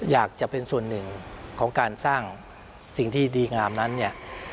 อยากจะเป็นส่วนหนึ่งของการสร้างสิ่งที่ดีงามนั้นเนี่ย